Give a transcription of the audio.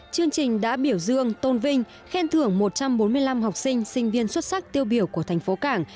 chương trình đã biểu dương tôn vinh khen thưởng một trăm bốn mươi năm học sinh sinh viên xuất sắc tiêu biểu của thành phố cảng